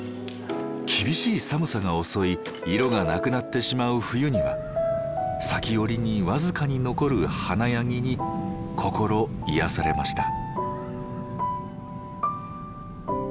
厳しい寒さが襲い色がなくなってしまう冬には裂織に僅かに残る華やぎに心癒やされました。